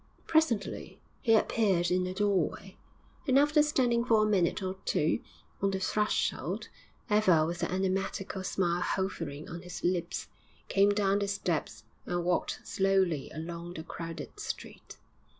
Presently he appeared in the doorway, and after standing for a minute or two on the threshold, ever with the enigmatical smile hovering on his lips, came down the steps and walked slowly along the crowded street.